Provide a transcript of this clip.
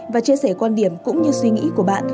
và chia sẻ quan điểm cũng như suy nghĩ của bạn